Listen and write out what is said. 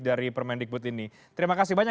dari permendikbud ini terima kasih banyak